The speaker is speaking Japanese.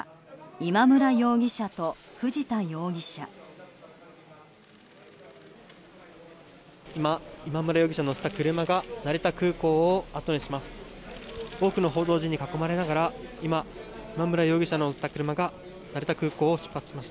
今、今村容疑者を乗せた車が成田空港をあとにします。